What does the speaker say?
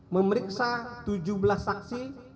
memeriksa tujuh belas saksi